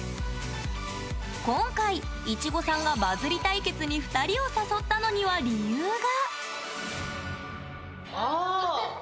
今回、いちごさんがバズり対決に２人を誘ったのには理由が。